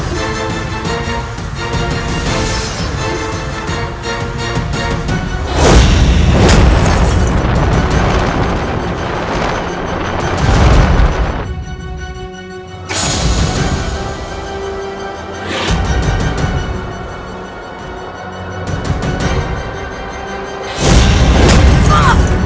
jangan berhasil mencobanya